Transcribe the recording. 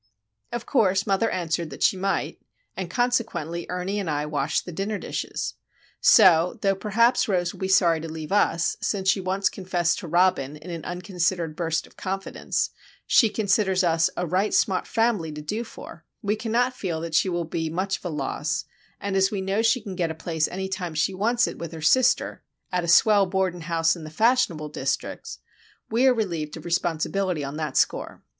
Of course, mother answered that she might, and consequently Ernie and I washed the dinner dishes. So, though perhaps Rose will be sorry to leave us, since she once confessed to Robin in an unconsidered burst of confidence, she considers us "a right sma't fambly to do fer," we cannot feel that she will be much of a loss; and, as we know she can get a place any time she wants it with her sister "at a swell boa'ding house in the fash'nable distric's," we are relieved of responsibility on that score.